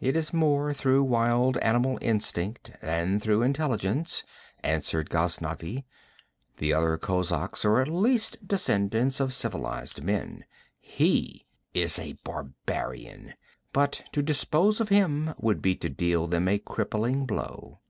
'It is more through wild animal instinct than through intelligence,' answered Ghaznavi. 'The other kozaks are at least descendants of civilized men. He is a barbarian. But to dispose of him would be to deal them a crippling blow.'